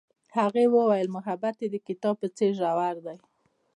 هغې وویل محبت یې د کتاب په څېر ژور دی.